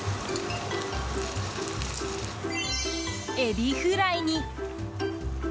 エビフライに。